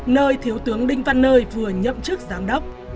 nơi thiếu tướng đinh văn nơi vừa nhậm chức giám đốc